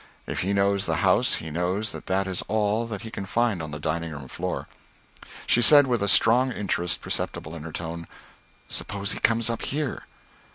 If he knows the house he knows that that is all that he can find on the dining room floor." She said, with a strong interest perceptible in her tone, "Suppose he comes up here!"